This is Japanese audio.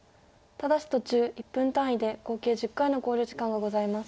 ただし途中１分単位で合計１０回の考慮時間がございます。